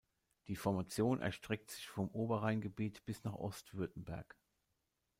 Die Formation erstreckt sich vom Oberrheingebiet bis nach Ostwürttemberg.